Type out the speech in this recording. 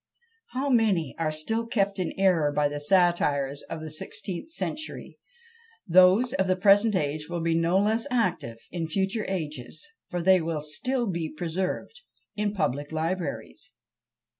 "How many are still kept in error by the satires of the sixteenth century! Those of the present age will be no less active in future ages, for they will still be preserved in public libraries."